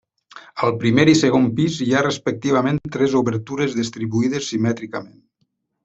Al primer i segon pis hi ha respectivament tres obertures distribuïdes simètricament.